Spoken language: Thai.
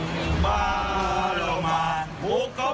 สวัสดีครับทุกคน